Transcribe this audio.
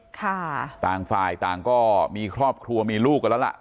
ต่างฝ่ายต่างก็มีครอบครัวมีลูกกันแล้วล่ะ